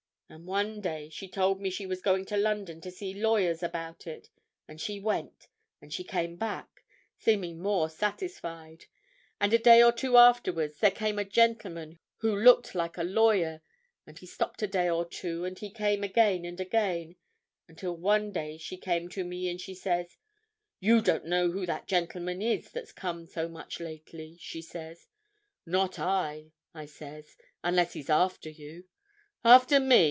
And one day she told me she was going to London to see lawyers about it, and she went, and she came back, seeming more satisfied, and a day or two afterwards, there came a gentleman who looked like a lawyer, and he stopped a day or two, and he came again and again, until one day she came to me, and she says, 'You don't know who that gentleman is that's come so much lately?' she says. 'Not I,' I says, 'unless he's after you.' 'After me!